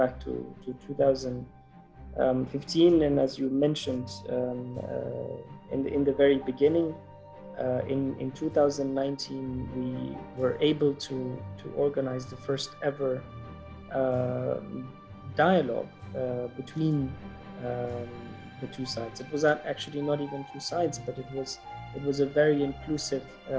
ketika itu kita tidak hanya berada di dua sisi tapi itu adalah satu set up yang sangat inklusif